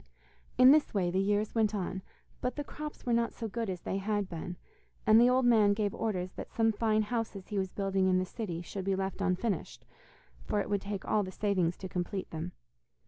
In this way the years went on, but the crops were not so good as they had been, and the old man gave orders that some fine houses he was building in the city should be left unfinished, for it would take all the savings to complete them.